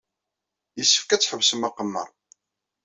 Yessefk ad tḥebsem aqemmer.